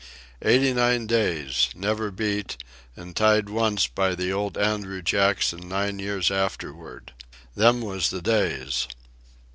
Eighty nine days—never beat, an' tied once by the old Andrew Jackson nine years afterwards. Them was the days!"